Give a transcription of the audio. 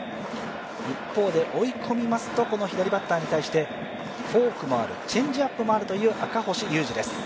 一方で、追い込みますと左バッターに対してフォークもある、チェンジアップもあるという赤星優志です。